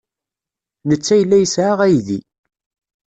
Netta yella yesɛa aydi.